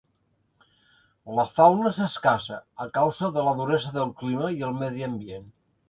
La fauna és escassa, a causa de la duresa del clima i el medi ambient.